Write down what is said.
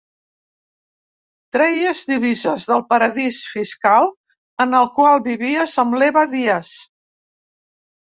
Treies divises del paradís fiscal en el qual vivies amb l'Eva Díaz.